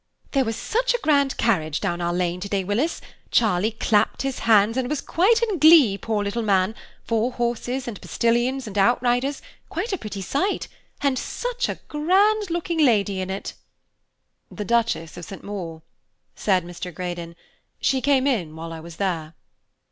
"There was such a grand carriage down our lane today, Willis; Charlie clapped his hands and was quite in glee, poor little man! four horses, and postilions, and outriders, quite a pretty sight, and such a grand looking lady in it." "The Duchess of St. Maur," said Mr. Greydon. "She came in while I was there."